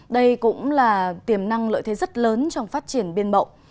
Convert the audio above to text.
đây cũng là tiềm năng lợi thế rất lớn trong phát triển biên mậu